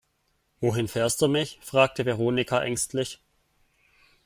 Wohin fährst du mich, fragte Veronika ängstlich.